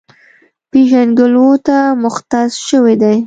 پېژنګلو ته مختص شوی دی،